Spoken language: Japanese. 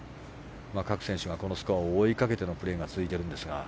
各選手、このスコアを追いかけてのプレーが続いているんですが。